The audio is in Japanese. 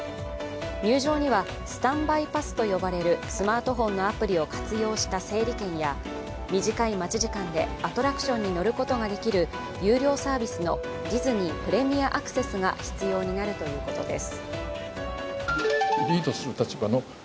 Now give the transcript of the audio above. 入場にはスタンバイパスと呼ばれるスマートフォンのアプリを活用した整理券や、短い待ち時間でアトラクションに乗ることができる有料サービスのディズニー・プレミアアクセスが必要になるということです。